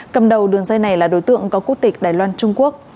cầm đầu đường dây này là đối tượng có quốc tịch đài loan trung quốc